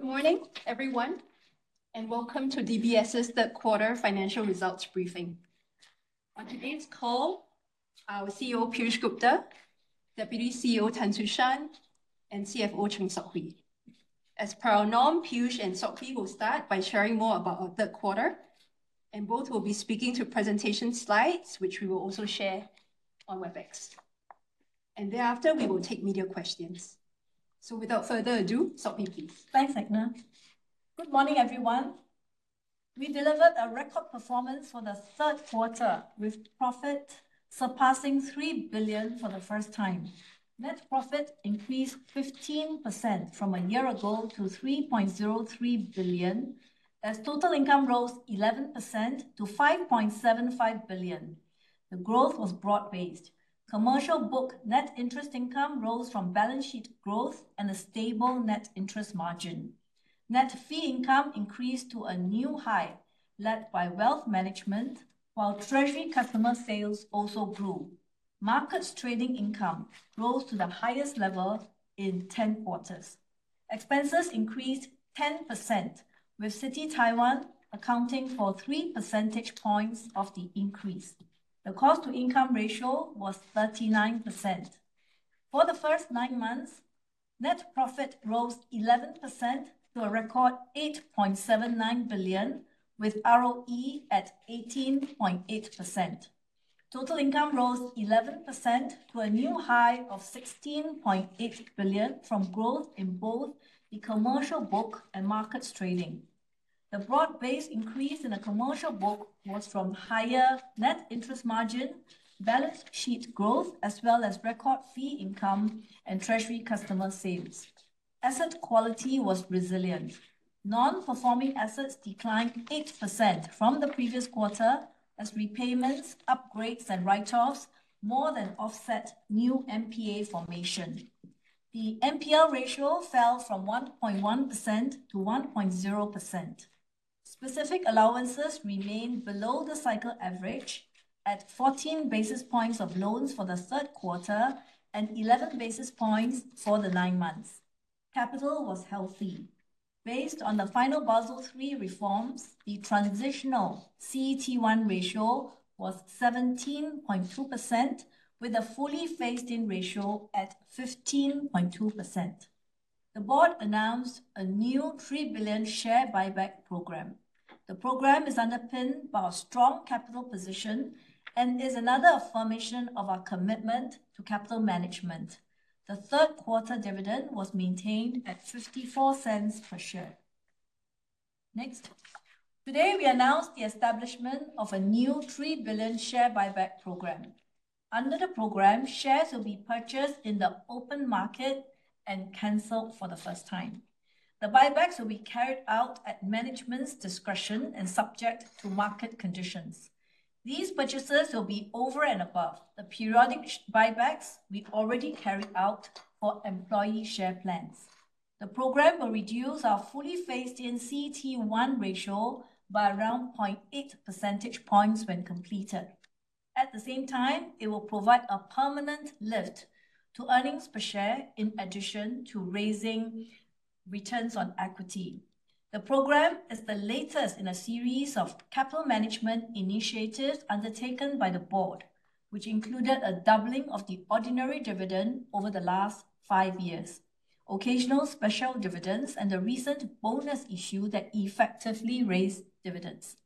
Good morning, everyone, and welcome to DBS's Q3 financial results briefing. On today's call, our CEO, Piyush Gupta, Deputy CEO, Tan Su Shan, and CFO, Chng Sok Hui. As per our norm, Piyush and Sok Kee will start by sharing more about our Q3, and both will be speaking to presentation slides, which we will also share on Webex. And thereafter, we will take media questions. So without further ado, Sok Kee, please. Thanks, Edna. Good morning, everyone. We delivered a record performance for the Q3, with profit surpassing 3 billion for the first time. Net profit increased 15% from a year ago to 3.03 billion, as total income rose 11% to 5.75 billion. The growth was broad-based. Commercial book net interest income rose from balance sheet growth and a stable net interest margin. Net fee income increased to a new high, led by wealth management, while treasury customer sales also grew. Markets trading income rose to the highest level in 10 quarters. Expenses increased 10%, with Citi Taiwan accounting for 3 percentage points of the increase. The cost-to-income ratio was 39%. For the first nine months, net profit rose 11% to a record 8.79 billion, with ROE at 18.8%. Total income rose 11% to a new high of 16.8 billion from growth in both the commercial book and markets trading. The broad-based increase in the commercial book was from higher net interest margin, balance sheet growth, as well as record fee income and treasury customer sales. Asset quality was resilient. Non-performing assets declined 8% from the previous quarter as repayments, upgrades, and write-offs more than offset new NPA formation. The NPA ratio fell from 1.1% to 1.0%. Specific allowances remained below the cycle average at 14 basis points of loans for the Q3 and 11 basis points for the nine months. Capital was healthy. Based on the final Basel III reforms, the transitional CET1 ratio was 17.2%, with a fully phased-in ratio at 15.2%. The board announced a new 3 billion share buyback program. The program is underpinned by our strong capital position and is another affirmation of our commitment to capital management. The Q3 dividend was maintained at 0.54 per share. Next. Today, we announced the establishment of a new 3 billion share buyback program. Under the program, shares will be purchased in the open market and canceled for the first time. The buybacks will be carried out at management's discretion and subject to market conditions. These purchases will be over and above the periodic share buybacks we've already carried out for employee share plans. The program will reduce our fully phased-in CET1 ratio by around 0.8 percentage points when completed. At the same time, it will provide a permanent lift to earnings per share in addition to raising returns on equity. The program is the latest in a series of capital management initiatives undertaken by the board, which included a doubling of the ordinary dividend over the last five years, occasional special dividends, and a recent bonus issue that effectively raised dividends.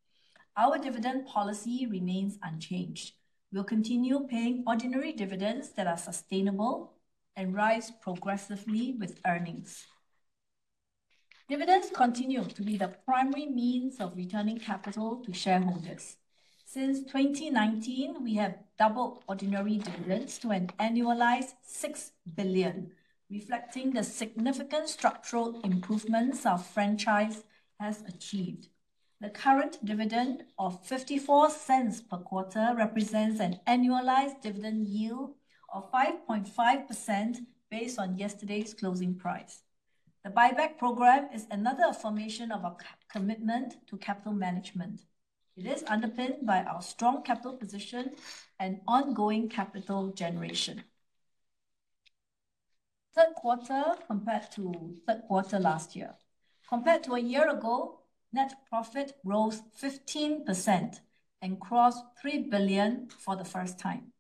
Our dividend policy remains unchanged. We'll continue paying ordinary dividends that are sustainable and rise progressively with earnings. Dividends continue to be the primary means of returning capital to shareholders. Since 2019, we have doubled ordinary dividends to an annualized 6 billion, reflecting the significant structural improvements our franchise has achieved. The current dividend of 0.54 per quarter represents an annualized dividend yield of 5.5% based on yesterday's closing price. The buyback program is another affirmation of our commitment to capital management. It is underpinned by our strong capital position and ongoing capital generation. Q3 compared to Q3 last year. Compared to a year ago, net profit rose 15% and crossed 3 billion for the first time.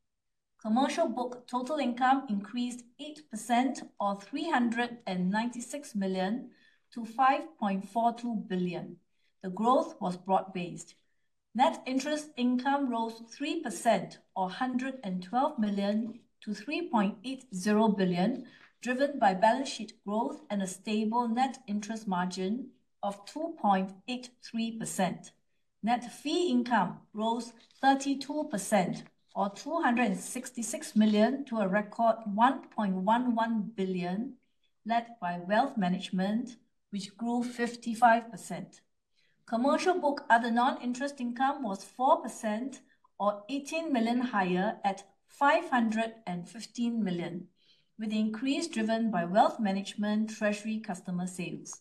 Commercial book total income increased 8%, or 396 million, to 5.42 billion. The growth was broad-based. Net interest income rose 3%, or 112 million, to 3.80 billion, driven by balance sheet growth and a stable net interest margin of 2.83%. Net fee income rose 32%, or 266 million, to a record 1.11 billion, led by wealth management, which grew 55%. Commercial book other non-interest income was 4%, or 18 million higher, at 515 million, with the increase driven by wealth management treasury customer sales.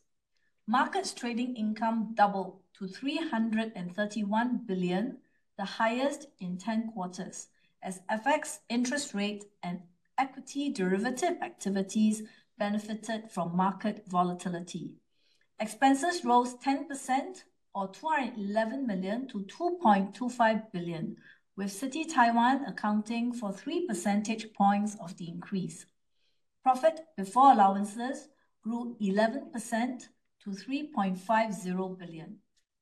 Markets trading income doubled to 331 billion-... the highest in 10 quarters, as FX interest rate and equity derivative activities benefited from market volatility. Expenses rose 10% or 211 million to 2.25 billion, with Citi Taiwan accounting for 3 percentage points of the increase. Profit before allowances grew 11% to 3.50 billion.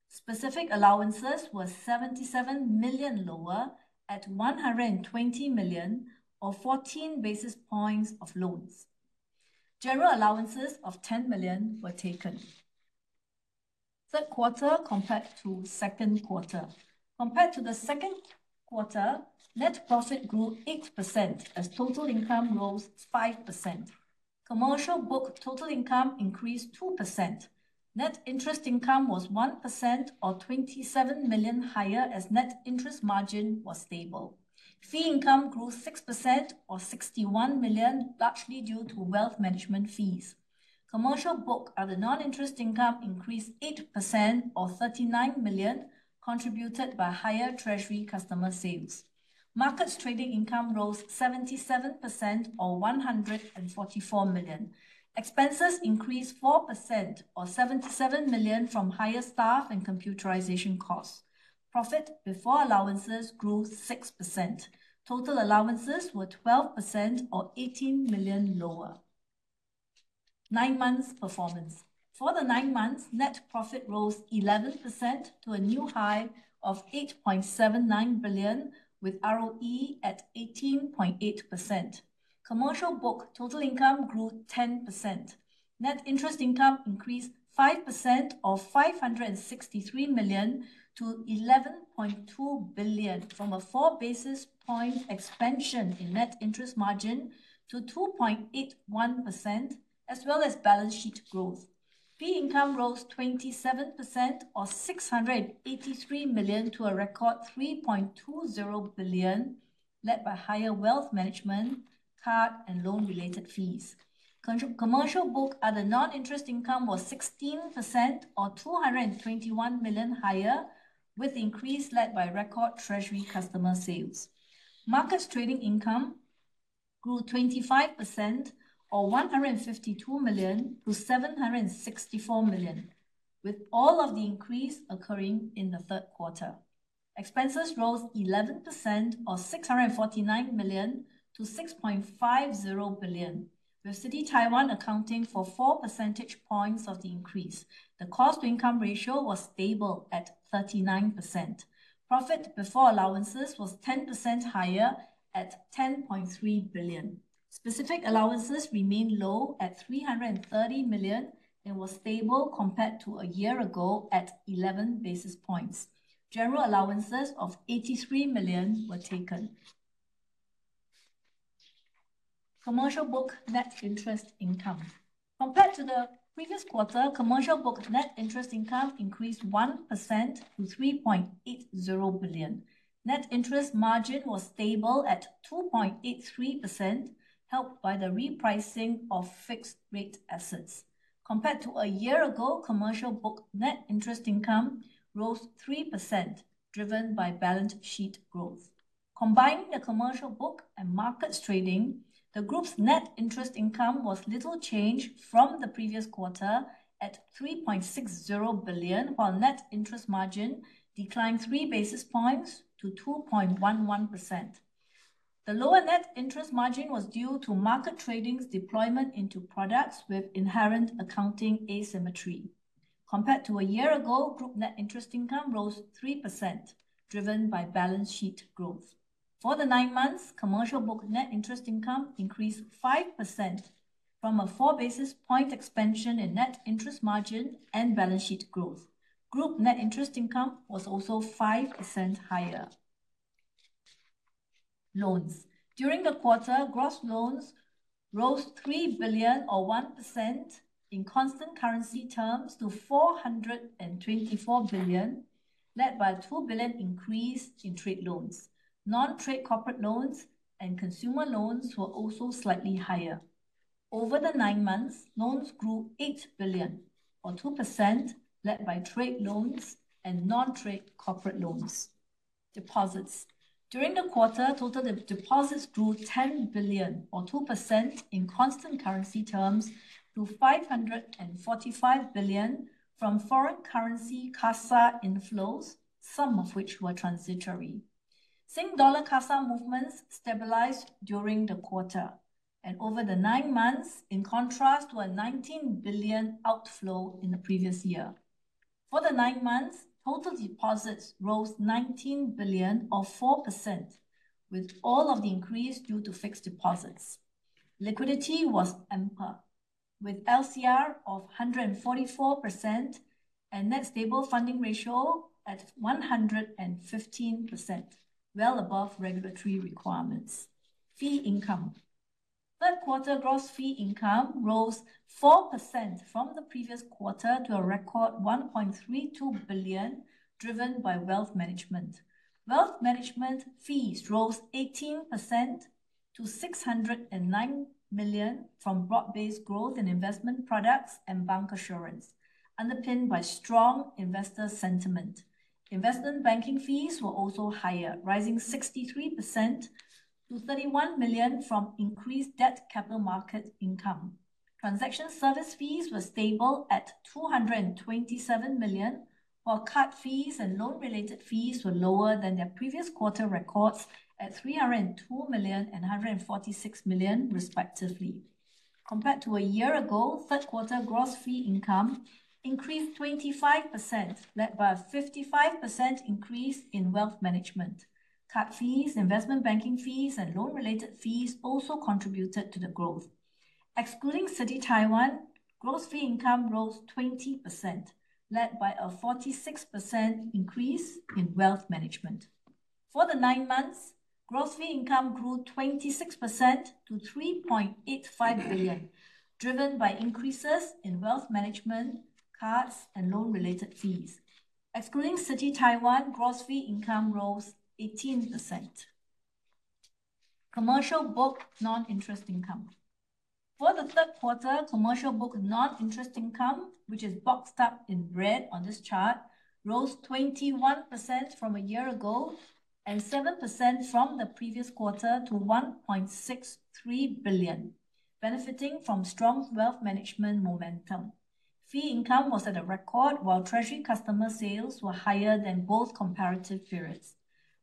Specific allowances were 77 million lower at 120 million, or 14 basis points of loans. General allowances of 10 million were taken. Q3 compared to Q2. Compared to the second quarter, net profit grew 8% as total income rose 5%. Commercial book total income increased 2%. Net interest income was 1% or 27 million higher, as net interest margin was stable. Fee income grew 6% or 61 million, largely due to wealth management fees. Commercial book, other non-interest income increased 8% or 39 million, contributed by higher treasury customer sales. Markets trading income rose 77% or 144 million. Expenses increased 4% or 77 million from higher staff and computerization costs. Profit before allowances grew 6%. Total allowances were 12% or 18 million lower. Nine months performance. For the nine months, net profit rose 11% to a new high of 8.79 billion, with ROE at 18.8%. Commercial book total income grew 10%. Net interest income increased 5% or 563 million to 11.2 billion, from a 4 basis point expansion in net interest margin to 2.81%, as well as balance sheet growth. Fee income rose 27% or 683 million to a record 3.20 billion, led by higher wealth management, card, and loan-related fees. Commercial book, other non-interest income was 16% or 221 million higher, with increase led by record treasury customer sales. Markets trading income grew 25% or 152 million to 764 million, with all of the increase occurring in the Q3. Expenses rose 11% or 649 million to 6.50 billion, with Citi Taiwan accounting for 4 percentage points of the increase. The cost-to-income ratio was stable at 39%. Profit before allowances was 10% higher at 10.3 billion. Specific allowances remained low at 330 million and was stable compared to a year ago at 11 basis points. General allowances of 83 million were taken. Commercial book net interest income. Compared to the previous quarter, commercial book net interest income increased 1% to 3.80 billion. Net interest margin was stable at 2.83%, helped by the repricing of fixed rate assets. Compared to a year ago, commercial book net interest income rose 3%, driven by balance sheet growth. Combining the commercial book and markets trading, the group's net interest income was little changed from the previous quarter at 3.60 billion, while net interest margin declined three basis points to 2.11%. The lower net interest margin was due to market trading's deployment into products with inherent accounting asymmetry. Compared to a year ago, group net interest income rose 3%, driven by balance sheet growth. For the nine months, commercial book net interest income increased 5% from a 4 basis point expansion in net interest margin and balance sheet growth. Group net interest income was also 5% higher. Loans. During the quarter, gross loans rose 3 billion or 1% in constant currency terms to 424 billion, led by a 2 billion increase in trade loans. Non-trade corporate loans and consumer loans were also slightly higher. Over the nine months, loans grew 8 billion, or 2%, led by trade loans and non-trade corporate loans. Deposits. During the quarter, total deposits grew 10 billion or 2% in constant currency terms to 545 billion from foreign currency CASA inflows, some of which were transitory. Singapore dollar CASA movements stabilized during the quarter and over the nine months, in contrast to a 19 billion outflow in the previous year. For the nine months, total deposits rose 19 billion or 4%, with all of the increase due to fixed deposits. Liquidity was ample, with LCR of 144% and net stable funding ratio at 115%, well above regulatory requirements. Fee income. Q3 gross fee income rose 4% from the previous quarter to a record 1.32 billion, driven by wealth management. Wealth management fees rose 18% to 609 million from broad-based growth in investment products and bank assurance, underpinned by strong investor sentiment. Investment banking fees were also higher, rising 63% to 31 million from increased debt capital market income. Transaction service fees were stable at 227 million, while card fees and loan-related fees were lower than their previous quarter records at 302 million and 146 million, respectively. Compared to a year ago, Q3 gross fee income increased 25%, led by a 55% increase in wealth management. Card fees, investment banking fees, and loan-related fees also contributed to the growth. Excluding Citi Taiwan, gross fee income rose 20%, led by a 46% increase in wealth management. For the nine months, gross fee income grew 26% to 3.85 billion, driven by increases in wealth management, cards, and loan-related fees. Excluding Citi Taiwan, gross fee income rose 18%. Commercial book non-interest income. For the third quarter, commercial book non-interest income, which is boxed up in red on this chart, rose 21% from a year ago and 7% from the previous quarter to 1.63 billion, benefiting from strong wealth management momentum. Fee income was at a record, while treasury customer sales were higher than both comparative periods.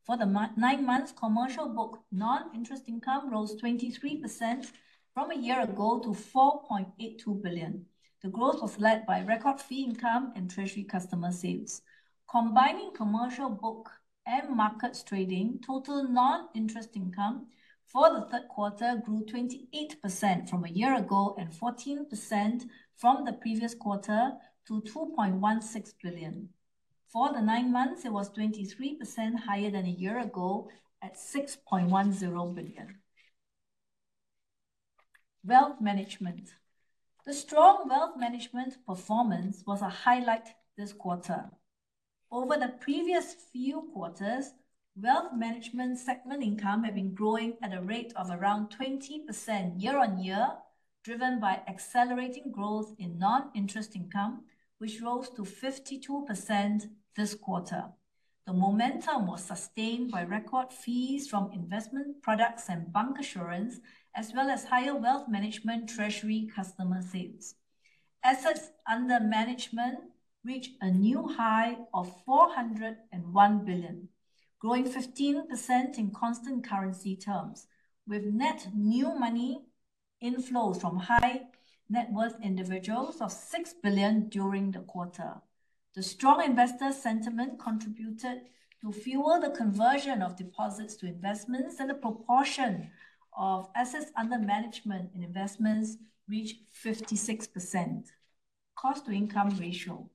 For the nine months, commercial book non-interest income rose 23% from a year ago to 4.82 billion. The growth was led by record fee income and treasury customer sales. Combining commercial book and markets trading, total non-interest income for the third quarter grew 28% from a year ago and 14% from the previous quarter to 2.16 billion. For the nine months, it was 23% higher than a year ago at 6.10 billion. Wealth management. The strong wealth management performance was a highlight this quarter. Over the previous few quarters, wealth management segment income had been growing at a rate of around 20% year-over-year, driven by accelerating growth in non-interest income, which rose to 52% this quarter. The momentum was sustained by record fees from investment products and bank assurance, as well as higher wealth management treasury customer sales. Assets under management reached a new high of 401 billion, growing 15% in constant currency terms, with net new money inflows from high-net-worth individuals of 6 billion during the quarter. The strong investor sentiment contributed to fuel the conversion of deposits to investments, and the proportion of assets under management in investments reached 56%. Cost-to-income ratio.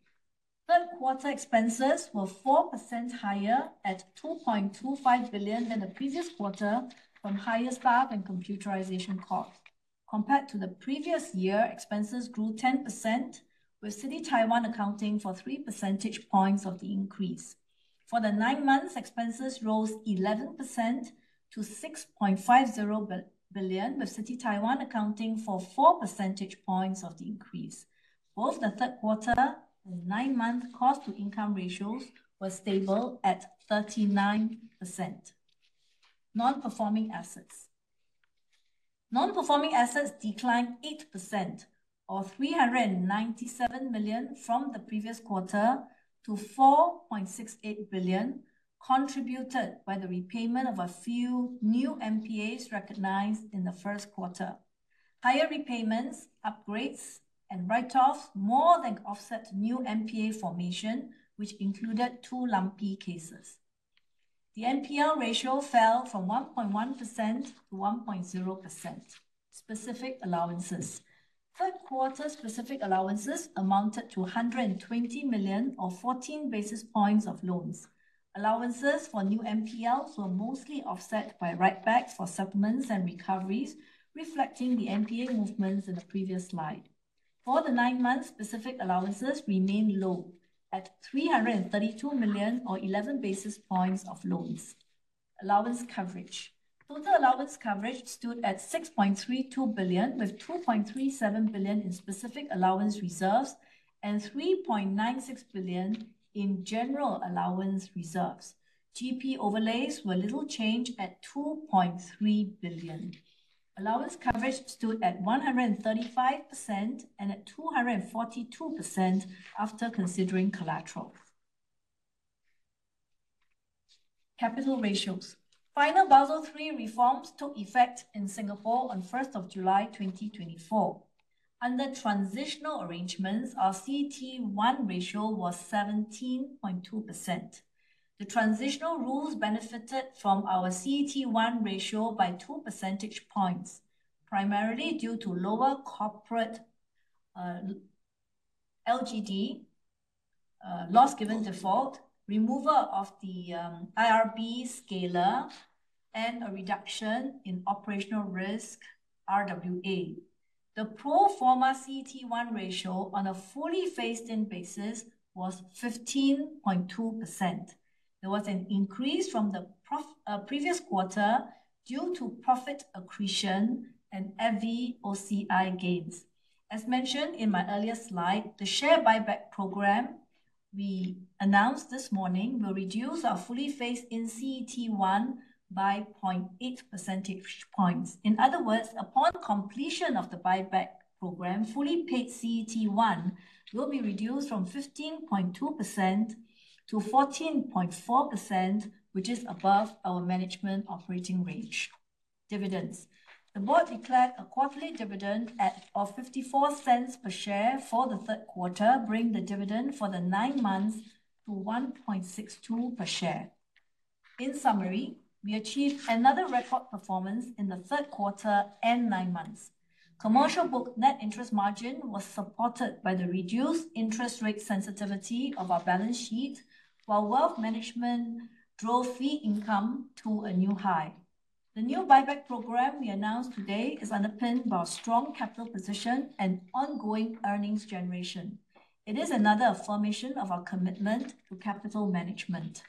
Q3 expenses were 4% higher at 2.25 billion than the previous quarter from higher staff and computerization costs. Compared to the previous year, expenses grew 10%, with Citi Taiwan accounting for three percentage points of the increase. For the nine months, expenses rose 11% to 6.50 billion, with Citi Taiwan accounting for four percentage points of the increase. Both the Q3 and nine-month cost-to-income ratios were stable at 39%. Non-performing assets declined 8%, or 397 million from the previous quarter to 4.68 billion, contributed by the repayment of a few new NPAs recognized in the Q1. Higher repayments, upgrades, and write-offs more than offset new NPA formation, which included two lumpy cases. The NPL ratio fell from 1.1%-1.0%. Specific allowances. Q3 specific allowances amounted to 120 million, or 14 basis points of loans. Allowances for new NPLs were mostly offset by write-backs for settlements and recoveries, reflecting the NPA movements in the previous slide. For the nine months, specific allowances remained low at 332 million, or 11 basis points of loans. Allowance coverage. Total allowance coverage stood at 6.32 billion, with 2.37 billion in specific allowance reserves and 3.96 billion in general allowance reserves. GP overlays were little changed at 2.3 billion. Allowance coverage stood at 135%, and at 242% after considering collateral. Capital ratios. Final Basel III reforms took effect in Singapore on 1st of July 2024. Under transitional arrangements, our CET1 ratio was 17.2%. The transitional rules benefited from our CET1 ratio by 2 percentage points, primarily due to lower corporate LGD, loss given default, removal of the IRB scalar, and a reduction in operational risk RWA. The pro forma CET1 ratio on a fully phased-in basis was 15.2%. There was an increase from the previous quarter due to profit accretion and every OCI gains. As mentioned in my earlier slide, the share buyback program we announced this morning will reduce our fully phased-in CET1 by 0.8 percentage points. In other words, upon completion of the buyback program, fully paid CET1 will be reduced from 15.2%-14.4%, which is above our management operating range. Dividends. The board declared a quarterly dividend of 54 cents per share for the Q3, bringing the dividend for the nine months to 1.62 per share. In summary, we achieved another record performance in the third quarter and nine months. Commercial book net interest margin was supported by the reduced interest rate sensitivity of our balance sheet, while wealth management drove fee income to a new high. The new buyback program we announced today is underpinned by our strong capital position and ongoing earnings generation. It is another affirmation of our commitment to capital management.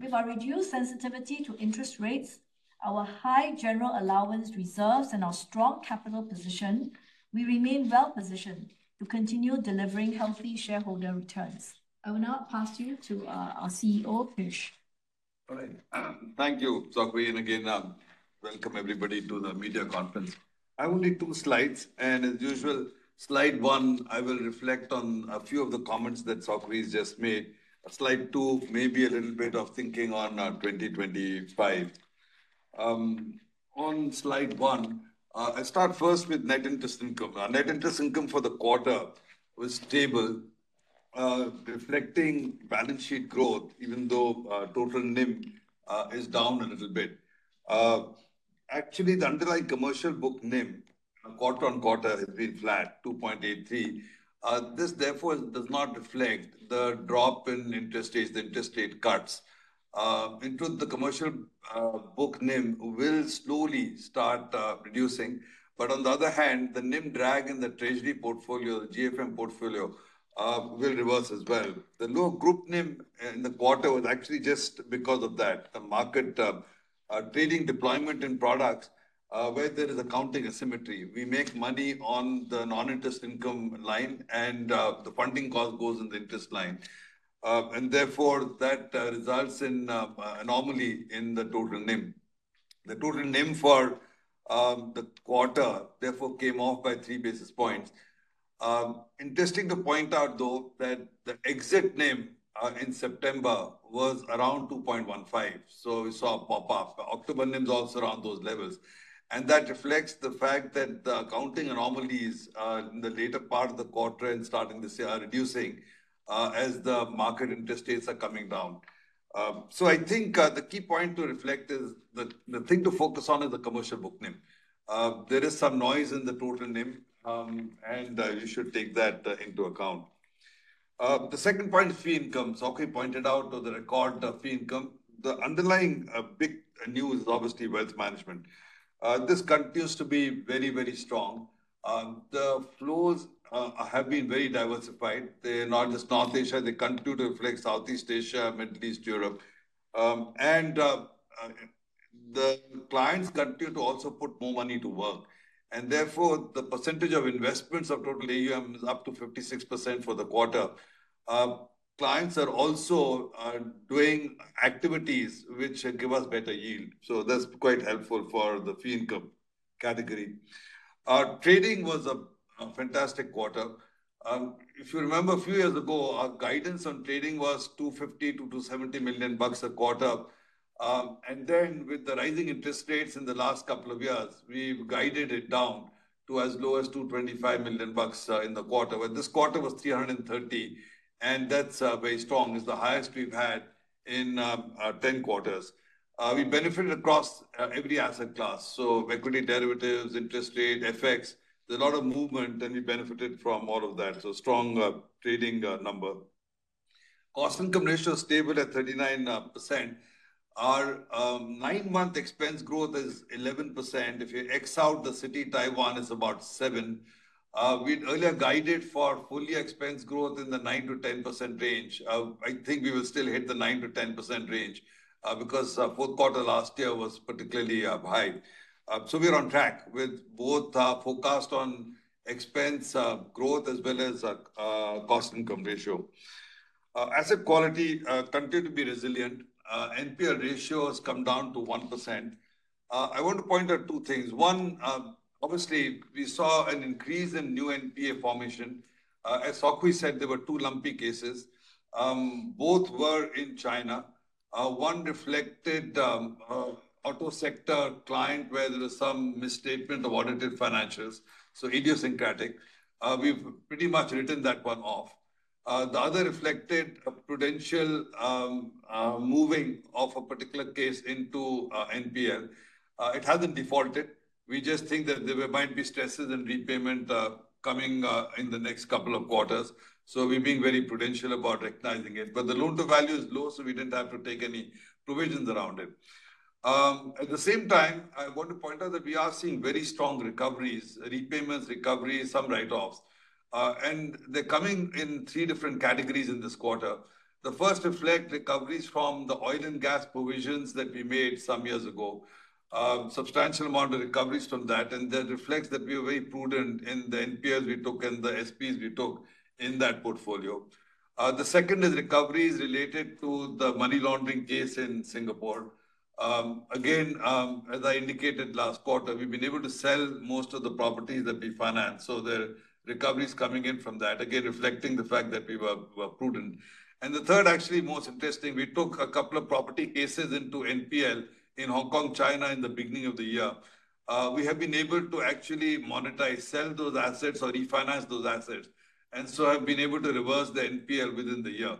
With our reduced sensitivity to interest rates, our high general allowance reserves, and our strong capital position, we remain well positioned to continue delivering healthy shareholder returns. I will now pass you to our CEO, Piyush. All right. Thank you, Sok Wee, and again, welcome everybody to the media conference. I have only two slides, and as usual, slide one, I will reflect on a few of the comments that Sok Wee's just made. Slide two, maybe a little bit of thinking on 2025. On slide one, I start first with net interest income. Our net interest income for the quarter was stable, reflecting balance sheet growth, even though total NIM is down a little bit. Actually, the underlying commercial book NIM, quarter-on-quarter, has been flat, 2.83. This therefore does not reflect the drop in interest rates, the interest rate cuts. Into the commercial book NIM will slowly start reducing. But on the other hand, the NIM drag in the treasury portfolio, the GFM portfolio, will reverse as well. The low group NIM in the quarter was actually just because of that, the market, trading deployment in products, where there is accounting asymmetry. We make money on the non-interest income line, and, the funding cost goes in the interest line. And therefore, that, results in, anomaly in the total NIM. The total NIM for, the quarter, therefore, came off by 3 basis points. Interesting to point out, though, that the exit NIM, in September was around 2.15, so we saw a pop-off. October NIM is also around those levels, and that reflects the fact that the accounting anomalies in the later part of the quarter and starting this year are reducing as the market interest rates are coming down. So I think the key point to reflect is the thing to focus on is the commercial book NIM. There is some noise in the total NIM, and you should take that into account. The second point is fee income. Sok Wee pointed out to the record the fee income. The underlying big news is obviously wealth management. This continues to be very, very strong. The flows have been very diversified. They're not just North Asia, they continue to reflect Southeast Asia, Middle East, Europe. The clients continue to also put more money to work, and therefore, the percentage of investments of total AUM is up to 56% for the quarter. Clients are also doing activities which give us better yield, so that's quite helpful for the fee income category. Trading was a fantastic quarter. If you remember a few years ago, our guidance on trading was 250 million-270 million bucks a quarter. And then with the rising interest rates in the last couple of years, we've guided it down to as low as 225 million bucks in the quarter. Well, this quarter was 330 million, and that's very strong. It's the highest we've had in 10 quarters. We benefited across every asset class, so equity derivatives, interest rate, FX. There's a lot of movement, and we benefited from all of that. So, strong trading number. Cost-income ratio is stable at 39%. Our nine-month expense growth is 11%. If you X out Citi Taiwan, it's about 7%. We'd earlier guided for full-year expense growth in the 9%-10% range. I think we will still hit the 9%-10% range, because Q4 last year was particularly high. So, we're on track with both forecasts on expense growth, as well as cost-income ratio. Asset quality continue to be resilient. NPL ratio has come down to 1%. I want to point out two things. One, obviously, we saw an increase in new NPA formation. As Sok Wee said, there were two lumpy cases. Both were in China. One reflected, auto sector client where there was some misstatement of audited financials, so idiosyncratic. We've pretty much written that one off. The other reflected a prudential moving of a particular case into a NPL. It hasn't defaulted. We just think that there might be stresses in repayment, coming, in the next couple of quarters, so we're being very prudential about recognizing it. But the loan-to-value is low, so we didn't have to take any provisions around it. At the same time, I want to point out that we are seeing very strong recoveries, repayments, recoveries, some write-offs, and they're coming in three different categories in this quarter. The first reflect recoveries from the oil and gas provisions that we made some years ago. Substantial amount of recoveries from that, and that reflects that we were very prudent in the NPLs we took and the SPs we took in that portfolio. The second is recoveries related to the money laundering case in Singapore. Again, as I indicated last quarter, we've been able to sell most of the properties that we financed, so the recovery is coming in from that, again, reflecting the fact that we were, were prudent. And the third, actually most interesting, we took a couple of property cases into NPL in Hong Kong, China, in the beginning of the year. We have been able to actually monetize, sell those assets or refinance those assets, and so have been able to reverse the NPL within the year.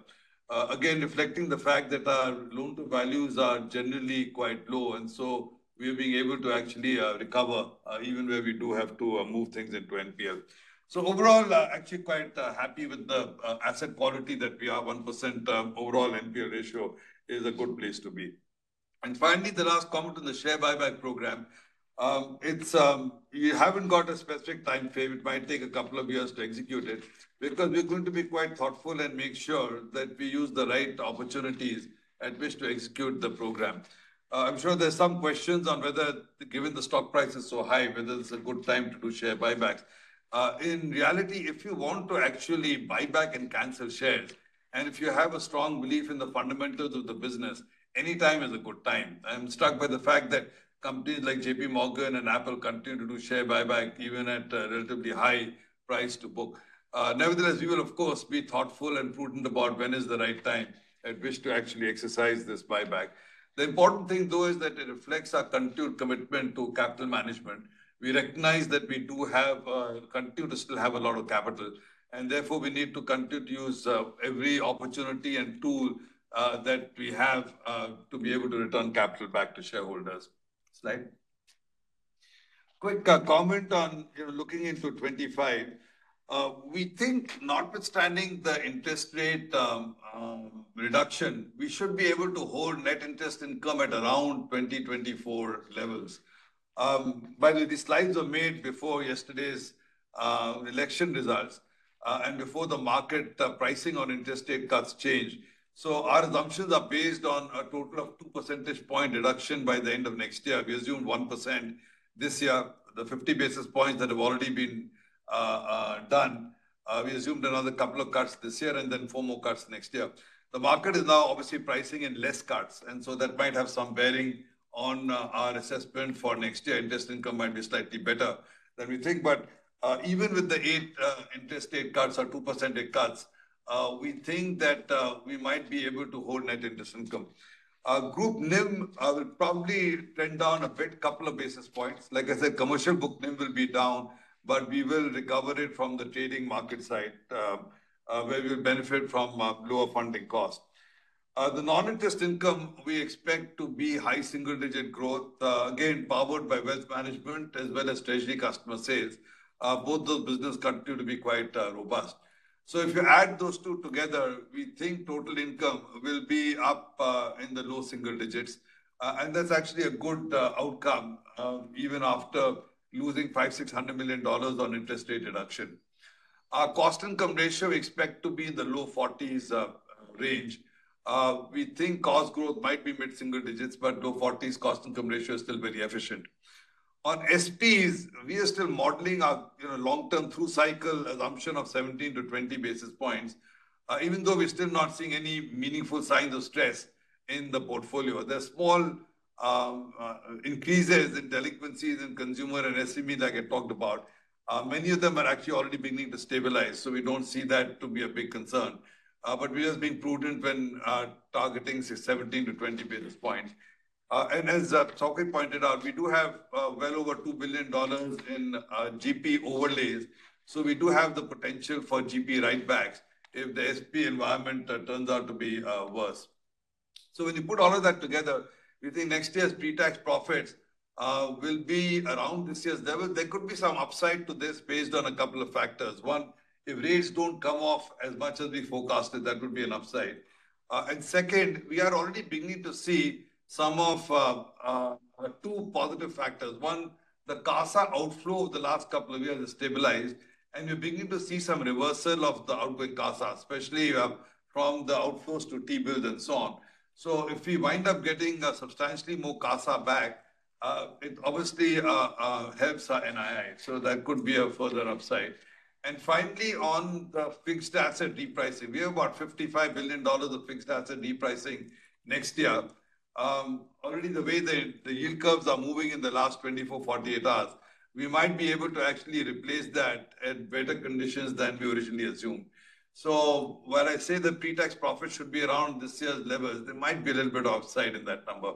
Again, reflecting the fact that our loan-to-values are generally quite low, and so we're being able to actually recover even where we do have to move things into NPL. So overall, actually quite happy with the asset quality that we have. 1% overall NPL ratio is a good place to be. And finally, the last comment on the share buyback program. It's, we haven't got a specific time frame. It might take a couple of years to execute it, because we're going to be quite thoughtful and make sure that we use the right opportunities at which to execute the program. I'm sure there's some questions on whether, given the stock price is so high, whether it's a good time to do share buybacks. In reality, if you want to actually buy back and cancel shares, and if you have a strong belief in the fundamentals of the business, any time is a good time. I'm struck by the fact that companies like J.P. Morgan and Apple continue to do share buyback, even at a relatively high price to book. Nevertheless, we will of course be thoughtful and prudent about when is the right time at which to actually exercise this buyback. The important thing, though, is that it reflects our continued commitment to capital management. We recognize that we do have continue to still have a lot of capital, and therefore, we need to continue to use every opportunity and tool that we have to be able to return capital back to shareholders. Slide. Quick comment on, you know, looking into 2025. We think notwithstanding the interest rate reduction, we should be able to hold net interest income at around 2024 levels. By the way, the slides were made before yesterday's election results, and before the market pricing on interest rate cuts changed. So our assumptions are based on a total of 2 percentage point reduction by the end of next year. We assumed 1% this year, the 50 basis points that have already been done. We assumed another couple of cuts this year and then 4 more cuts next year. The market is now obviously pricing in less cuts, and so that might have some bearing on our assessment for next year. Interest income might be slightly better than we think, but even with the 8 interest rate cuts or 2 percentage cuts, we think that we might be able to hold net interest income. Our group NIM will probably trend down a bit, couple of basis points. Like I said, commercial book NIM will be down, but we will recover it from the trading market side, where we'll benefit from lower funding costs. The non-interest income, we expect to be high single-digit growth, again, powered by wealth management as well as treasury customer sales. Both those business continue to be quite robust. So if you add those two together, we think total income will be up in the low single digits. And that's actually a good outcome, even after losing $500-$600 million on interest rate reduction. Our cost income ratio, we expect to be in the low 40s range. We think cost growth might be mid-single digits, but low 40s cost income ratio is still very efficient. On SPs, we are still modeling our, you know, long-term through cycle assumption of 17-20 basis points, even though we're still not seeing any meaningful signs of stress in the portfolio. There are small increases in delinquencies in consumer and SME, like I talked about. Many of them are actually already beginning to stabilize, so we don't see that to be a big concern. But we're just being prudent when targeting, say, 17-20 basis points. And as Saket pointed out, we do have well over $2 billion in GP overlays. So we do have the potential for GP write backs if the SP environment turns out to be worse. So when you put all of that together, we think next year's pre-tax profits will be around this year's level. There could be some upside to this based on a couple of factors. One, if rates don't come off as much as we forecasted, that would be an upside. And second, we are already beginning to see some of two positive factors. One, the CASA outflow of the last couple of years is stabilized, and we're beginning to see some reversal of the outgoing CASA, especially from the outflows to T-bills and so on. So if we wind up getting substantially more CASA back, it obviously helps our NII, so that could be a further upside. And finally, on the fixed asset repricing, we have about 55 billion dollars of fixed asset repricing next year. Already the way the yield curves are moving in the last 24-48 hours, we might be able to actually replace that at better conditions than we originally assumed. So while I say the pre-tax profit should be around this year's levels, there might be a little bit of upside in that number.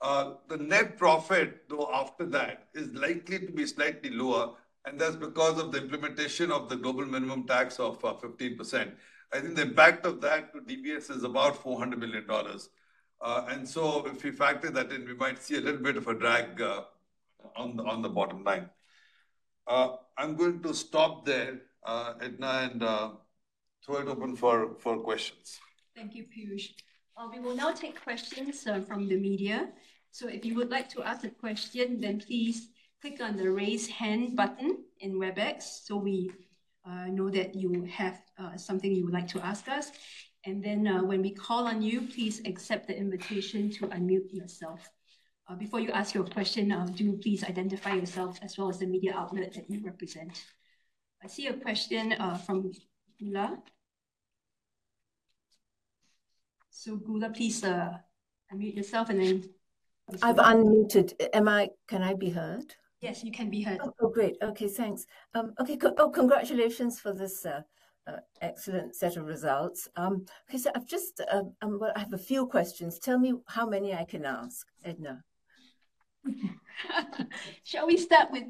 The net profit, though, after that, is likely to be slightly lower, and that's because of the implementation of the global minimum tax of 15%. I think the impact of that to DBS is about 400 billion dollars. And so if we factor that in, we might see a little bit of a drag on the bottom line. I'm going to stop there, Edna, and throw it open for questions. Thank you, Piyush. We will now take questions from the media. So if you would like to ask a question, then please click on the Raise Hand button in Webex so we know that you have something you would like to ask us. And then, when we call on you, please accept the invitation to unmute yourself. Before you ask your question, do please identify yourself as well as the media outlet that you represent. I see a question from Gula. So, Gula, please, unmute yourself and then. I've unmuted. Am I? Can I be heard? Yes, you can be heard. Oh, great. Okay, thanks. Congratulations for this excellent set of results. Okay, so I've just, well, I have a few questions. Tell me how many I can ask, Edna? Shall we start with?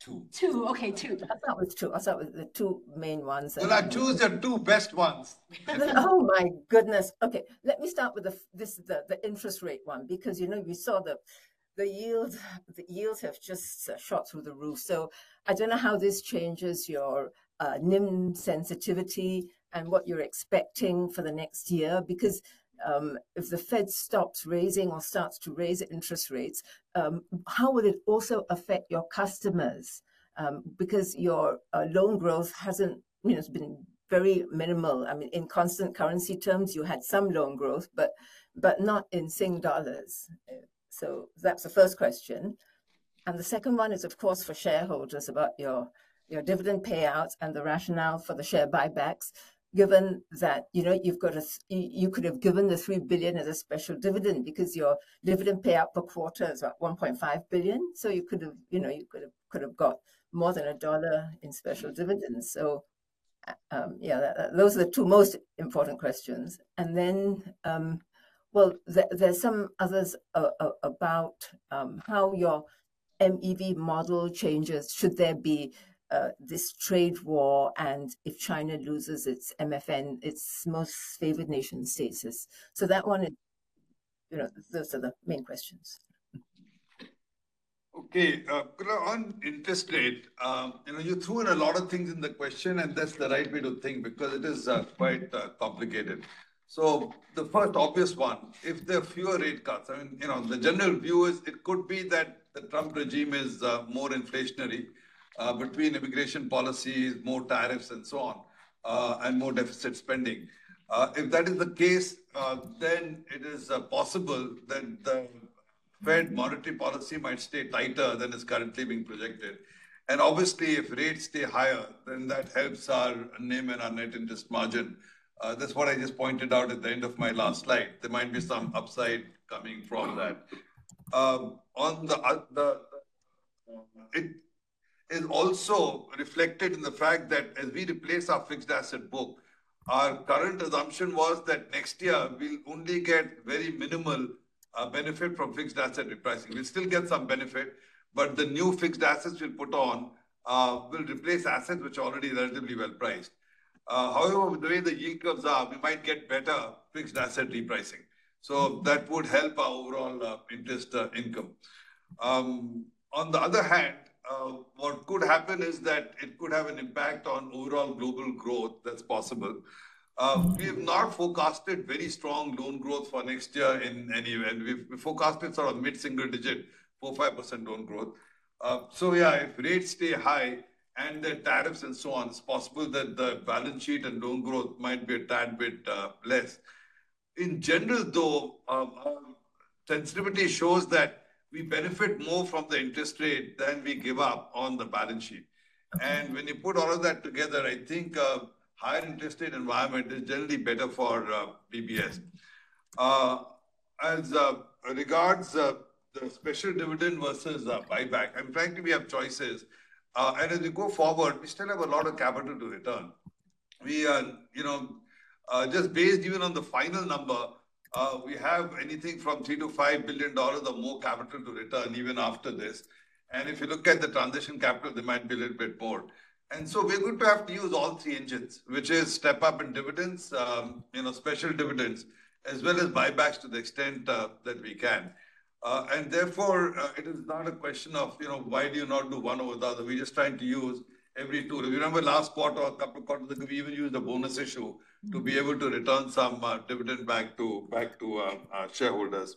Two. 2. Okay, 2. I'll start with two. I'll start with the two main ones and- Gula, choose the two best ones. Oh, my goodness! Okay, let me start with the interest rate one, because, you know, we saw the yields have just shot through the roof. So I don't know how this changes your NIM sensitivity and what you're expecting for the next year. Because if the Fed stops raising or starts to raise interest rates, how will it also affect your customers? Because your loan growth hasn't... You know, it's been very minimal. I mean, in constant currency terms, you had some loan growth, but not in Singapore dollars. So that's the first question. The second one is, of course, for shareholders about your dividend payouts and the rationale for the share buybacks, given that, you know, you could have given the 3 billion as a special dividend because your dividend payout per quarter is about 1.5 billion. So you could've, you know, got more than SGD 1 in special dividends. So, those are the two most important questions. And then, well, there are some others about how your MEV model changes should there be this trade war, and if China loses its MFN, its Most Favored Nation status. So that one is. You know, those are the main questions. Okay, Gula, on interest rate, you know, you threw in a lot of things in the question, and that's the right way to think, because it is quite complicated. So the first obvious one, if there are fewer rate cuts, I mean, you know, the general view is it could be that the Trump regime is more inflationary between immigration policies, more tariffs, and so on, and more deficit spending. If that is the case, then it is possible that the Fed monetary policy might stay tighter than is currently being projected. And obviously, if rates stay higher, then that helps our NIM and our net interest margin. That's what I just pointed out at the end of my last slide. There might be some upside coming from that. On the other, the... It is also reflected in the fact that as we replace our fixed asset book, our current assumption was that next year, we'll only get very minimal benefit from fixed asset repricing. We'll still get some benefit, but the new fixed assets we'll put on will replace assets which are already relatively well priced. However, the way the yield curves are, we might get better fixed asset repricing, so that would help our overall interest income. On the other hand, what could happen is that it could have an impact on overall global growth. That's possible. We have not forecasted very strong loan growth for next year in any event. We've forecasted sort of mid-single-digit 4%-5% loan growth. So yeah, if rates stay high and the tariffs and so on, it's possible that the balance sheet and loan growth might be a tad bit less. In general, though, sensitivity shows that we benefit more from the interest rate than we give up on the balance sheet. And when you put all of that together, I think a higher interest rate environment is generally better for DBS. As regards the special dividend versus buyback, and frankly, we have choices. And as we go forward, we still have a lot of capital to return. We are, you know, just based even on the final number, we have anything from 3 billion to 5 billion dollars or more capital to return even after this. And if you look at the transition capital, they might be a little bit more. And so we're going to have to use all three engines, which is step up in dividends, you know, special dividends, as well as buybacks to the extent, that we can. And therefore, it is not a question of, you know, why do you not do one over the other? We're just trying to use every tool. If you remember last quarter or couple of quarters, we even used a bonus issue to be able to return some, dividend back to, back to, our shareholders.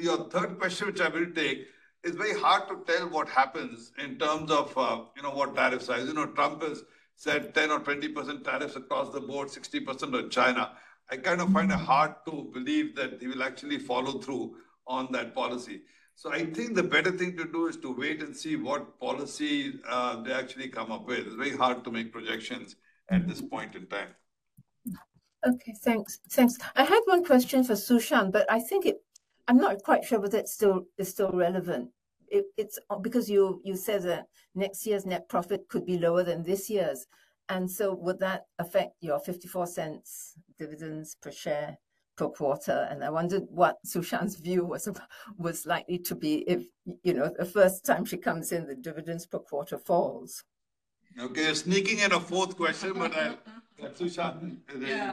Your third question, which I will take, it's very hard to tell what happens in terms of, you know, what tariff size. You know, Trump has said 10% or 20% tariffs across the board, 60% on China. I kind of find it hard to believe that he will actually follow through on that policy. I think the better thing to do is to wait and see what policy they actually come up with. It's very hard to make projections at this point in time. Okay, thanks. Thanks. I had one question for Su Shan, but I think it. I'm not quite sure whether it's still relevant. It's because you said that next year's net profit could be lower than this year's, and so would that affect your 54 cents dividends per share per quarter? And I wondered what Su Shan's view was likely to be if, you know, the first time she comes in, the dividends per quarter falls. Okay, sneaking in a fourth question, but, Sushant, and then. Yeah,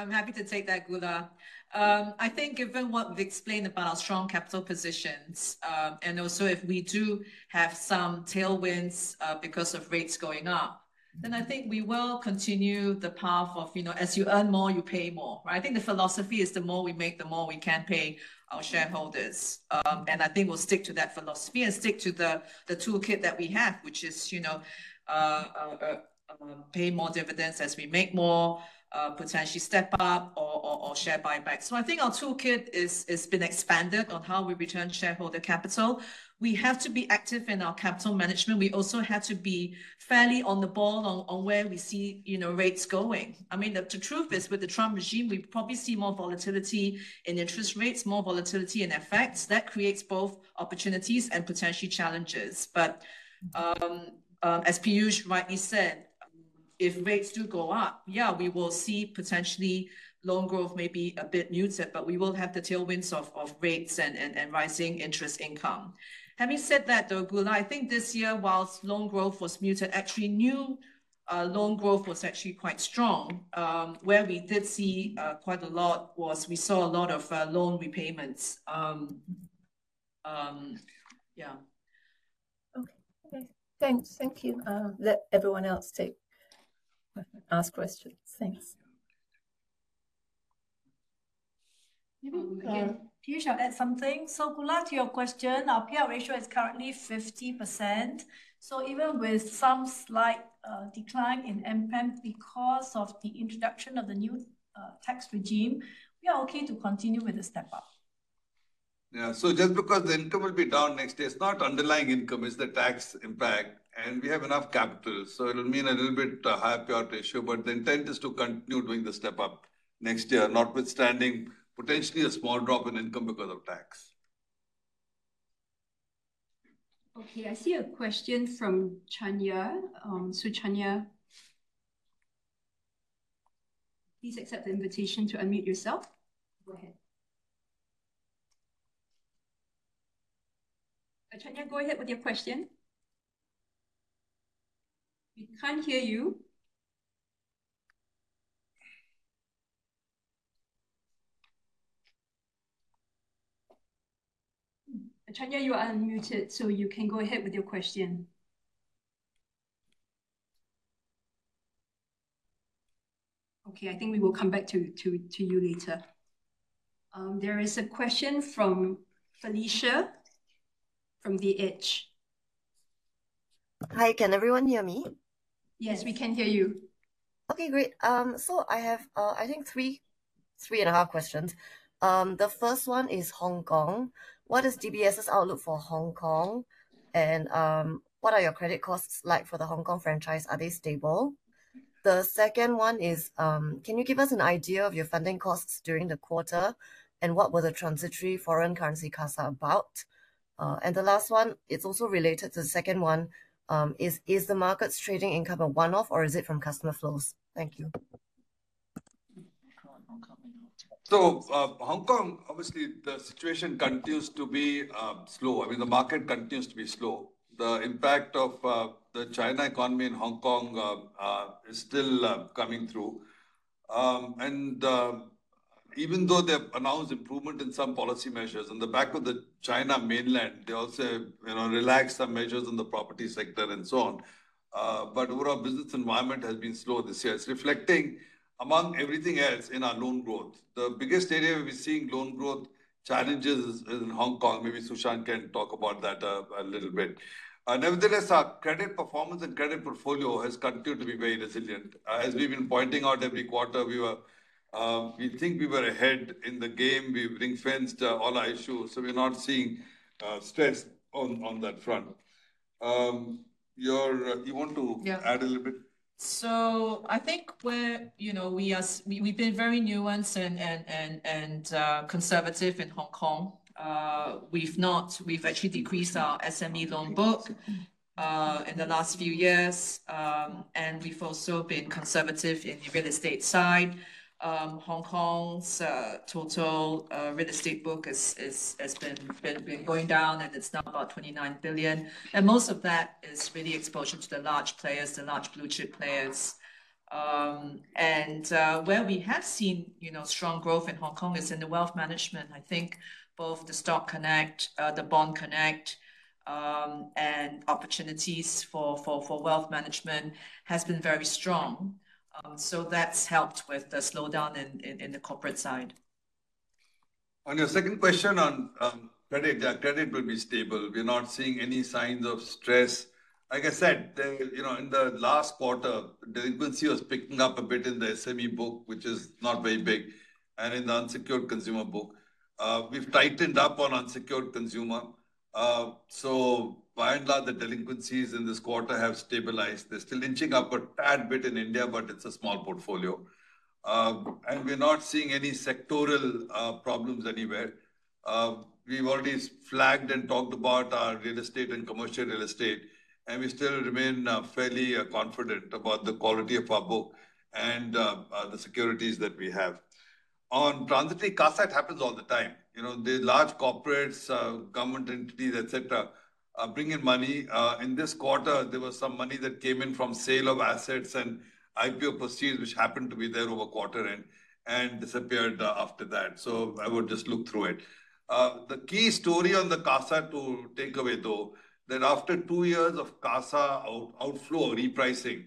I'm happy to take that, Gula. I think given what Vic explained about our strong capital positions, and also if we do have some tailwinds, because of rates going up, then I think we will continue the path of, you know, as you earn more, you pay more, right? I think the philosophy is the more we make, the more we can pay our shareholders. And I think we'll stick to that philosophy and stick to the toolkit that we have, which is, you know, pay more dividends as we make more, potentially step up or share buybacks. So I think our toolkit has been expanded on how we return shareholder capital. We have to be active in our capital management. We also have to be fairly on the ball on where we see, you know, rates going. I mean, the truth is, with the Trump regime, we probably see more volatility in interest rates, more volatility in effects. That creates both opportunities and potentially challenges. But, as Piyush rightly said, if rates do go up, yeah, we will see potentially loan growth may be a bit muted, but we will have the tailwinds of rates and rising interest income. Having said that, though, Gula, I think this year, whilst loan growth was muted, actually new loan growth was actually quite strong. Where we did see quite a lot was we saw a lot of loan repayments. Yeah. Okay. Okay, thanks. Thank you. Let everyone else ask questions. Thanks. Maybe, Piyush will add something. So Gula, to your question, our payout ratio is currently 50%, so even with some slight decline in NIM because of the introduction of the new tax regime, we are okay to continue with the step up. Yeah, so just because the income will be down next year, it's not underlying income, it's the tax impact, and we have enough capital. So it'll mean a little bit higher payout ratio, but the intent is to continue doing the step up next year, notwithstanding potentially a small drop in income because of tax. Okay, I see a question from Chanya. So Chanya, please accept the invitation to unmute yourself. Go ahead. Chanya, go ahead with your question. We can't hear you. Chanya, you are unmuted, so you can go ahead with your question. Okay, I think we will come back to you later. There is a question from Felicia, from The Edge. Hi, can everyone hear me? Yes, we can hear you. Okay, great. So I have, I think three, three and a half questions. The first one is Hong Kong. What is DBS's outlook for Hong Kong, and what are your credit costs like for the Hong Kong franchise? Are they stable? The second one is: can you give us an idea of your funding costs during the quarter, and what were the transitory foreign currency costs about? And the last one, it's also related to the second one, is the markets trading income a one-off, or is it from customer flows? Thank you. So, Hong Kong, obviously, the situation continues to be slow. I mean, the market continues to be slow. The impact of the China economy in Hong Kong is still coming through. And even though they've announced improvement in some policy measures, on the back of the China mainland, they also, you know, relaxed some measures in the property sector and so on. But overall, business environment has been slow this year. It's reflecting, among everything else, in our loan growth. The biggest area where we're seeing loan growth challenges is in Hong Kong. Maybe Sushant can talk about that a little bit. Nevertheless, our credit performance and credit portfolio has continued to be very resilient. As we've been pointing out every quarter, we were we think we were ahead in the game. We've ring-fenced all our issues, so we're not seeing stress on that front. You want to? Yeah. Add a little bit? So I think we're, you know, we are. We've been very nuanced and conservative in Hong Kong. We've actually decreased our SME loan book in the last few years, and we've also been conservative in the real estate side. Hong Kong's total real estate book has been going down, and it's now about 29 billion. And most of that is really exposure to the large players, the large blue chip players. And where we have seen, you know, strong growth in Hong Kong is in the wealth management. I think both the Stock Connect, the Bond Connect, and opportunities for wealth management has been very strong. So that's helped with the slowdown in the corporate side. On your second question on credit, yeah, credit will be stable. We're not seeing any signs of stress. Like I said, you know, in the last quarter, delinquency was picking up a bit in the SME book, which is not very big, and in the unsecured consumer book. We've tightened up on unsecured consumer, so by and large, the delinquencies in this quarter have stabilized. They're still inching up a tad bit in India, but it's a small portfolio. And we're not seeing any sectoral problems anywhere. We've already flagged and talked about our real estate and commercial real estate, and we still remain fairly confident about the quality of our book and the securities that we have. On transitory CASA, it happens all the time. You know, the large corporates, government entities, et cetera, are bringing money. In this quarter, there was some money that came in from sale of assets and IPO proceeds, which happened to be there over a quarter and disappeared after that. So I would just look through it. The key story on the CASA to take away, though, that after two years of CASA outflow or repricing,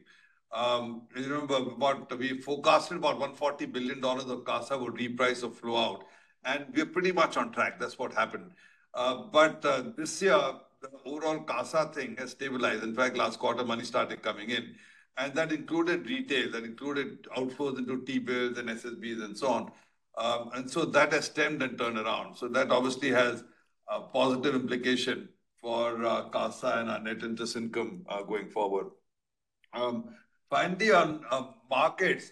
you remember about we forecasted about 140 billion dollars of CASA would reprice or flow out, and we're pretty much on track. That's what happened. But this year, the overall CASA thing has stabilized. In fact, last quarter, money started coming in, and that included retail, that included outflows into T-bills and SSBs, and so on. And so that has stemmed and turned around. So that obviously has a positive implication for our CASA and our net interest income going forward. Finally, on markets,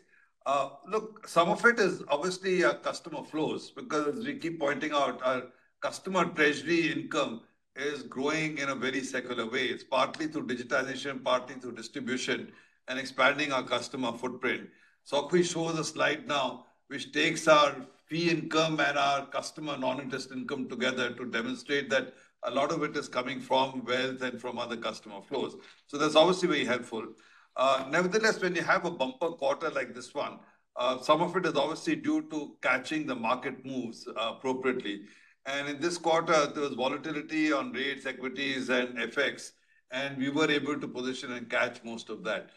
look, some of it is obviously customer flows, because we keep pointing out our customer treasury income is growing in a very secular way. It's partly through digitization, partly through distribution, and expanding our customer footprint. So Akhi shows a slide now, which takes our fee income and our customer non-interest income together to demonstrate that a lot of it is coming from wealth and from other customer flows. So that's obviously very helpful. Nevertheless, when you have a bumper quarter like this one, some of it is obviously due to catching the market moves appropriately. And in this quarter, there was volatility on rates, equities, and FX, and we were able to position and catch most of that.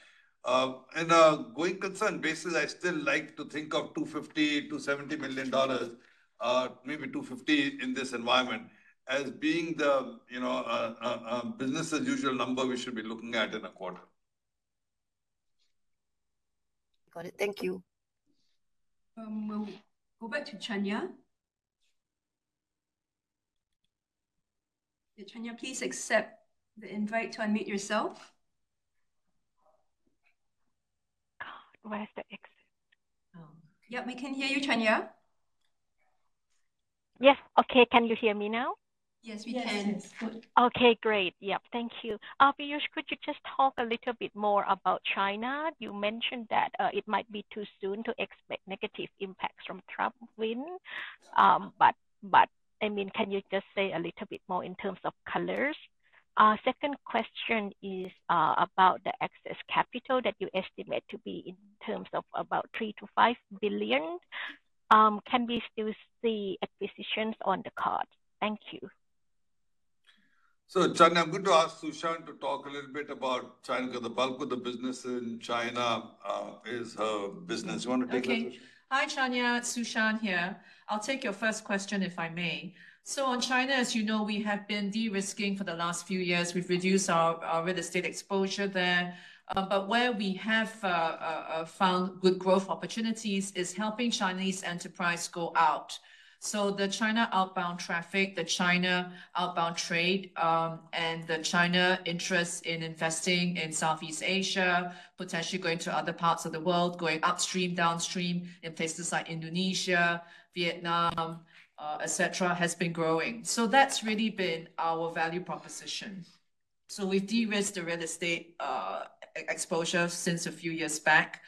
Going concern basis, I still like to think of 250 million-270 million dollars, maybe 250 million in this environment, as being the, you know, a business as usual number we should be looking at in a quarter. Got it. Thank you. We'll go back to Chanya. Chanya, please accept the invite to unmute yourself. Oh, where is the accept? Oh, yep, we can hear you, Chanya. Yes. Okay, can you hear me now? Yes, we can. Yes, good. Okay, great. Yep, thank you. Piyush, could you just talk a little bit more about China? You mentioned that it might be too soon to expect negative impacts from Trump win. But, I mean, can you just say a little bit more in terms of colors? Second question is about the excess capital that you estimate to be in terms of about 3 billion-5 billion. Can we still see acquisitions on the card? Thank you. So, Chanya, I'm going to ask Susan to talk a little bit about China, because the bulk of the business in China is her business. You want to take that? Okay. Hi, Chanya, it's Susan here. I'll take your first question, if I may. So on China, as you know, we have been de-risking for the last few years. We've reduced our real estate exposure there. But where we have found good growth opportunities is helping Chinese enterprise go out. So the China outbound traffic, the China outbound trade, and the China interest in investing in Southeast Asia, potentially going to other parts of the world, going upstream, downstream, in places like Indonesia, Vietnam, et cetera, has been growing. So that's really been our value proposition. So we've de-risked the real estate exposure since a few years back,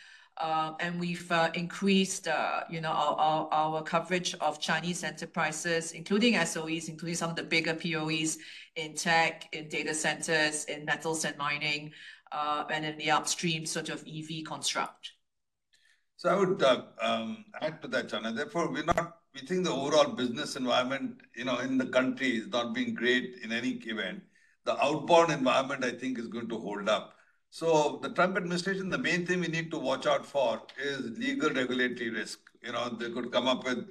and we've increased, you know, our coverage of Chinese enterprises, including SOEs, including some of the bigger POEs in tech, in data centers, in metals and mining, and in the upstream, sort of EV construct. So I would add to that, Chanya. Therefore, we think the overall business environment, you know, in the country is not being great in any given. The outbound environment, I think, is going to hold up. So the Trump administration, the main thing we need to watch out for is legal regulatory risk. You know, they could come up with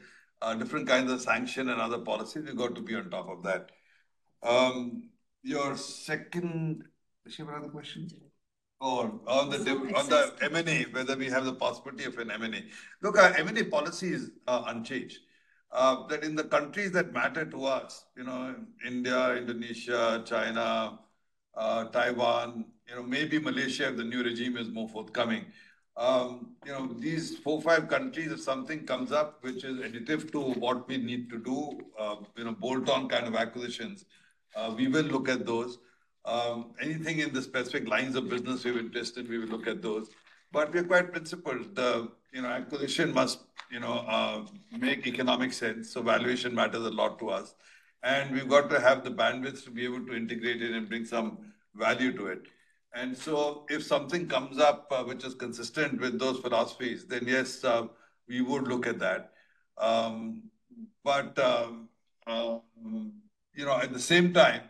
different kinds of sanction and other policies. We've got to be on top of that. Your second. Did she have another question? Yeah. Oh, on the M&A, whether we have the possibility of an M&A. Look, our M&A policy is, unchanged. That in the countries that matter to us, you know, India, Indonesia, China, Taiwan, you know, maybe Malaysia, if the new regime is more forthcoming. You know, these four, five countries, if something comes up, which is additive to what we need to do, you know, bolt-on kind of acquisitions, we will look at those. Anything in the specific lines of business we're interested, we will look at those. But we're quite principled. The, you know, acquisition must, you know, make economic sense, so valuation matters a lot to us. And we've got to have the bandwidth to be able to integrate it and bring some value to it. And so if something comes up, which is consistent with those philosophies, then yes, we would look at that. But you know, at the same time,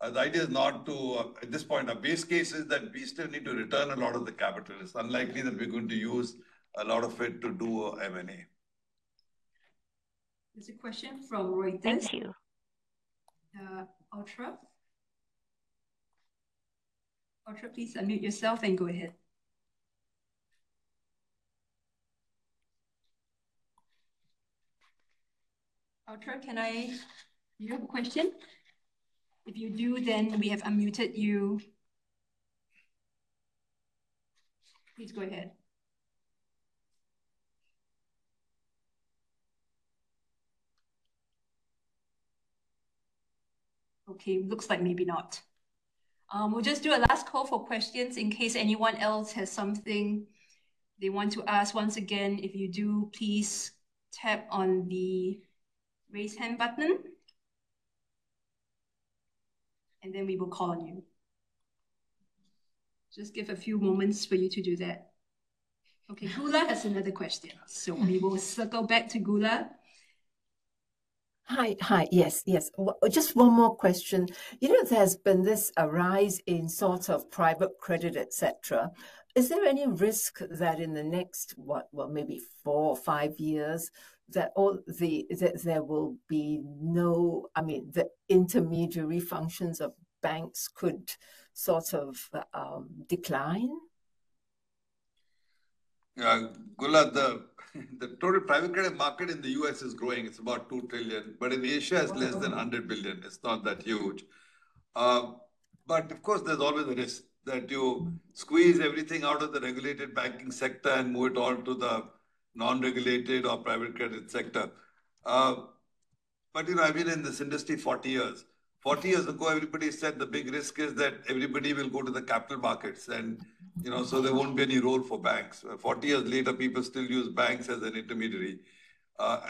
the idea is not to, at this point, our base case is that we still need to return a lot of the capital. It's unlikely that we're going to use a lot of it to do a M&A. There's a question from Roy Test. Thank you. Ultra. Ultra, please unmute yourself and go ahead. Ultra, can I... Do you have a question? If you do, then we have unmuted you. Please go ahead. Okay, looks like maybe not. We'll just do a last call for questions in case anyone else has something they want to ask. Once again, if you do, please tap on the raise hand button, and then we will call on you. Just give a few moments for you to do that. Okay, Gula has another question, so we will circle back to Gula. Hi. Yes, yes. Just one more question. You know, there's been this, a rise in sort of private credit, et cetera. Is there any risk that in the next, what, well, maybe four or five years, that all the, that there will be no—I mean, the intermediary functions of banks could sort of decline? Yeah, Gula, the total private credit market in the U.S. is growing. It's about $2 trillion, but in Asia it's less than $100 billion. It's not that huge. But of course, there's always a risk that you squeeze everything out of the regulated banking sector and move it all to the non-regulated or private credit sector. But, you know, I've been in this industry 40 years. 40 years ago, everybody said the big risk is that everybody will go to the capital markets and, you know, so there won't be any role for banks.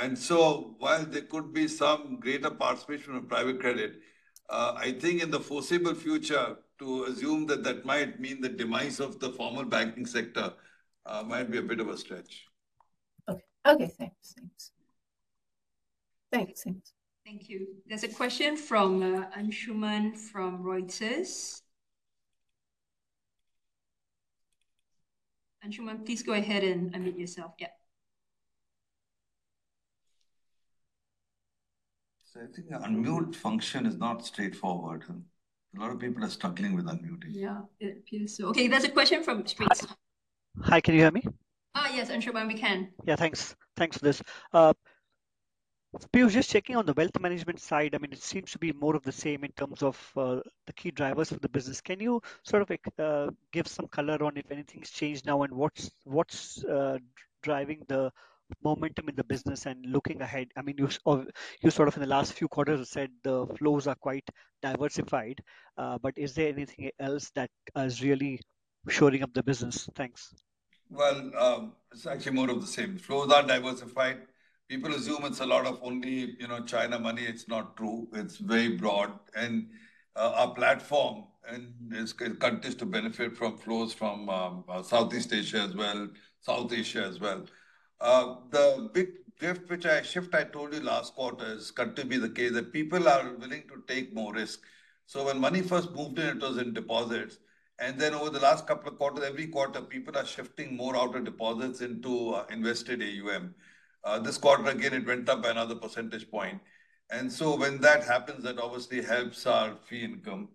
And so while there could be some greater participation from private credit, I think in the foreseeable future, to assume that that might mean the demise of the former banking sector might be a bit of a stretch. Okay. Okay, thanks. Thanks. Thank you. There's a question from Anshuman from Reuters. Anshuman, please go ahead and unmute yourself. Yeah. I think the unmute function is not straightforward, and a lot of people are struggling with unmuting. Yeah, it appears so. Okay, there's a question from streets. Hi, can you hear me? Yes, Anshuman, we can. Yeah, thanks. Thanks for this. Pu, just checking on the wealth management side, I mean, it seems to be more of the same in terms of, the key drivers of the business. Can you sort of, give some color on if anything's changed now, and what's driving the momentum in the business? And looking ahead, I mean, you've you sort of in the last few quarters have said the flows are quite diversified, but is there anything else that is really shoring up the business? Thanks. Well, it's actually more of the same. Flows are diversified. People assume it's a lot of only, you know, China money. It's not true. It's very broad, and our platform and continues to benefit from flows from Southeast Asia as well, South Asia as well. The big shift I told you last quarter is going to be the case, that people are willing to take more risk. So when money first moved in, it was in deposits, and then over the last couple of quarters, every quarter, people are shifting more out of deposits into invested AUM. This quarter, again, it went up by another percentage point, and so when that happens, that obviously helps our fee income.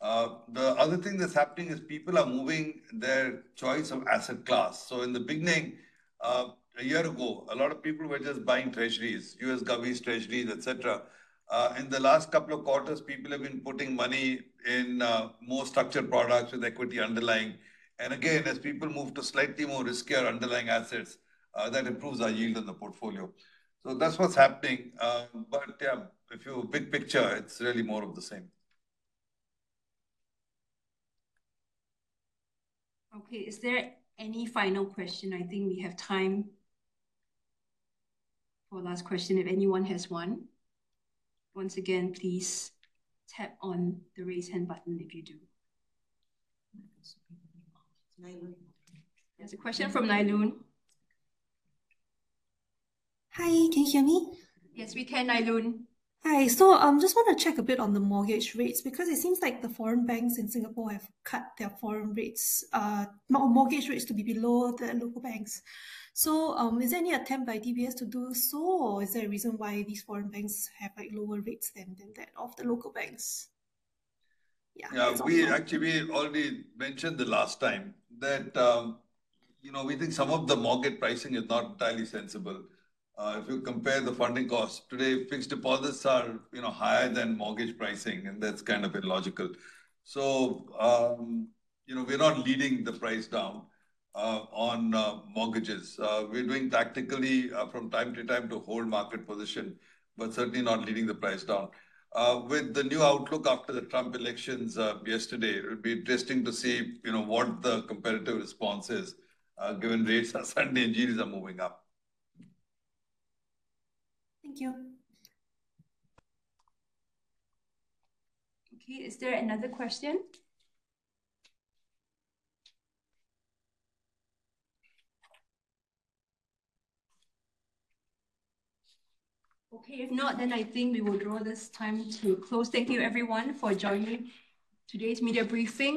The other thing that's happening is people are moving their choice of asset class. In the beginning, a year ago, a lot of people were just buying Treasuries, U.S. govvies, Treasuries, et cetera. In the last couple of quarters, people have been putting money in more structured products with equity underlying. And again, as people move to slightly more riskier underlying assets, that improves our yield on the portfolio. So that's what's happening, but yeah, if you big picture, it's really more of the same. Okay. Is there any final question? I think we have time for a last question if anyone has one. Once again, please tap on the raise hand button if you do. There's a question from Nailun. Hi, can you hear me? Yes, we can, Nailun. Hi, so just want to check a bit on the mortgage rates, because it seems like the foreign banks in Singapore have cut their foreign rates, mortgage rates to be below the local banks. So, is there any attempt by DBS to do so, or is there a reason why these foreign banks have, like, lower rates than, than that of the local banks? Yeah. Yeah, we actually, we already mentioned the last time that, you know, we think some of the mortgage pricing is not entirely sensible. If you compare the funding costs, today, fixed deposits are, you know, higher than mortgage pricing, and that's kind of illogical. So, you know, we're not leading the price down, on mortgages. We're doing tactically, from time to time to hold market position, but certainly not leading the price down. With the new outlook after the Trump elections yesterday, it would be interesting to see, you know, what the competitive response is, given rates are suddenly and yields are moving up. Thank you. Okay, is there another question? Okay, if not, then I think we will draw this time to a close. Thank you everyone for joining today's media briefing.